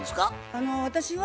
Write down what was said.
あの私は。